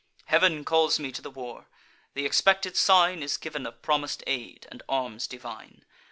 Heav'n calls me to the war: th' expected sign Is giv'n of promis'd aid, and arms divine.